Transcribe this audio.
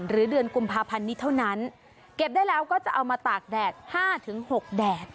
เดือนกุมภาพันธ์นี้เท่านั้นเก็บได้แล้วก็จะเอามาตากแดด๕๖แดด